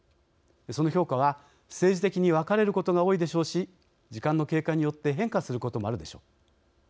その評価は政治的に分かれることが多いでしょうし時間の経過によって変化することもあるでしょう。